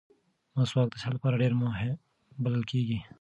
مسواک د صحت لپاره ډېر مهم بلل کېږي.